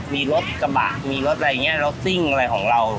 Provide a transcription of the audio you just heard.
มีรถกระบะมีรถอะไรอย่างนี้รถซิ่งอะไรของเรา